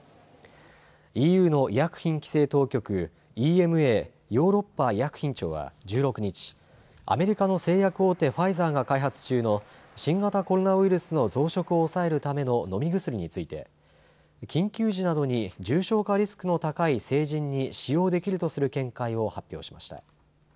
ＥＵの医薬品規制当局、ＥＭＡ・ヨーロッパ医薬品庁は１６日、アメリカの製薬大手、ファイザーが開発中の新型コロナウイルスの増殖を抑えるための飲み薬について緊急時などに重症化リスクの高い成人に使用できるとする見解を発表しました。